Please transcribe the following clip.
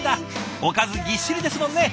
おかずぎっしりですもんね。